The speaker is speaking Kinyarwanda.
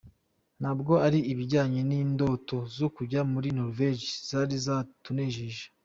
Ntabwo ari ibijyanye n’indoto zo kujya muri Norvège zari zatuneneje.”